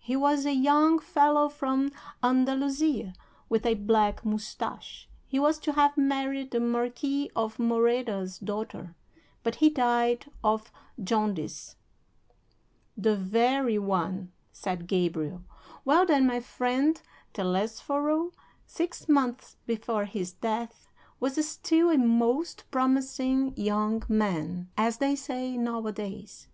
He was a young fellow from Andalusia, with a black moustache; he was to have married the Marquis of Moreda's daughter, but he died of jaundice." "The very one," said Gabriel. "Well, then, my friend Telesforo, six months before his death, was still a most promising young man, as they say nowadays.